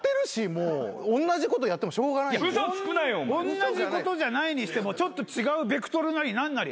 おんなじことじゃないにしてもちょっと違うベクトルなり何なり。